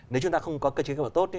nếu chúng ta không có cơ chế cán bộ tốt